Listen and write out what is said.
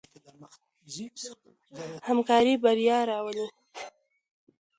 همکاري بریا راوړي.